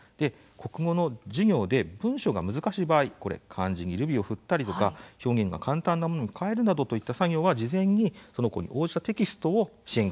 国語の授業で文章が難しい場合漢字にルビを振ったりとか表現が簡単なものに変えるなどといった作業は事前にその子に応じたテキストを支援